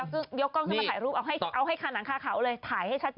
หรือยกกล้องขึ้นมาถ่ายรูปเอาให้ขนันข้าเขาเลยถ่ายให้ชัดเจน